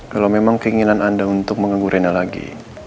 kalau memang keinginan anda untuk mengganggu rena lagi